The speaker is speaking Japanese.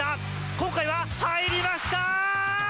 今回は入りました！